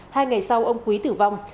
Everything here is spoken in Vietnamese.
hai ngày sau ông quý tử vong